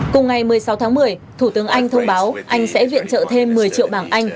cùng ngày một mươi sáu tháng một mươi thủ tướng anh thông báo anh sẽ viện trợ thêm một mươi triệu bảng anh